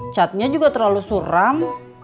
catnya juga terlalu suram